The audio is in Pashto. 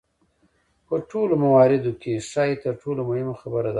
په ټولو مواردو کې ښايي تر ټولو مهمه خبره دا وه.